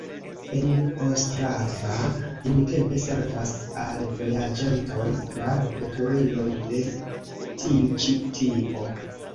En Ostrava nuntempe servas al vojaĝantoj kvar veturiloj de tiu ĉi tipo.